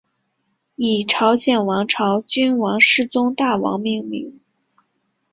以朝鲜王朝君王世宗大王命名。